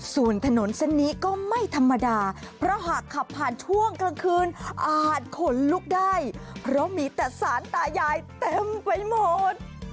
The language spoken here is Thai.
ส่วนถนนเส้นนี้ก็ไม่ธรรมดาเพราะหากขับผ่านช่วงกลางคืนอาจขนลุกได้เพราะมีแต่สารตายายเต็มไปหมด